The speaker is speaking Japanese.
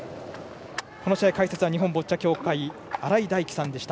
この試合解説は日本ボッチャ協会新井大基さんでした。